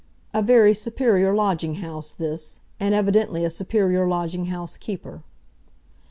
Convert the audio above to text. A very superior lodging house this, and evidently a superior lodging house keeper.